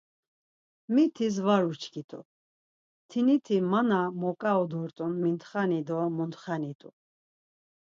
Mitis var uçkit̆u, mtiniti ma na moǩau dort̆un mintxani do muntxani t̆u.